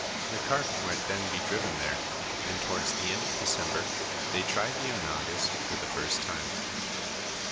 The cart might then be driven there, and towards the end of December they tried the onagas for the first time.